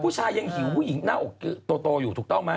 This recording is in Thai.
พูดชายยังหิวผู้หญิงหน้าอกต่ออยู่ถูกต้องมั้ย